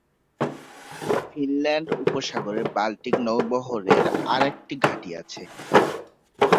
Finland উপসাগরে Baltic নৌবহরের আর একটি ঘাঁটি আছে।